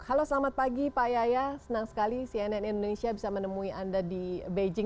halo selamat pagi pak yaya senang sekali cnn indonesia bisa menemui anda di beijing